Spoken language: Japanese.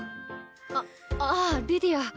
あっああリディア。